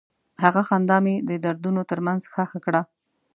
هغه خندا مې د دردونو تر منځ ښخ کړه.